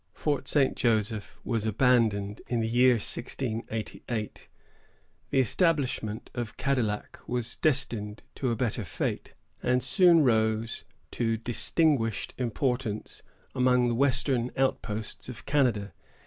Fort St. Joseph was abandoned in the year 1688. The establishment of Cadillac was destined to a better fate, and soon rose to distinguished importance among the western outposts of Canada.